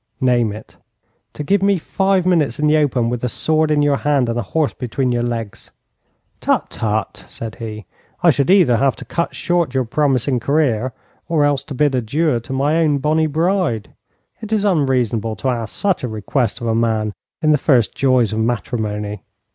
'Name it.' 'To give me five minutes in the open with a sword in your hand and a horse between your legs.' 'Tut, tut!' said he. 'I should either have to cut short your promising career, or else to bid adieu to my own bonny bride. It is unreasonable to ask such a request of a man in the first joys of matrimony.'